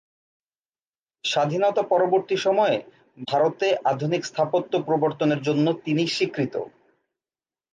স্বাধীনতা পরবর্তি সময়ে ভারতে আধুনিক স্থাপত্য প্রবর্তনের জন্য তিনি স্বীকৃত।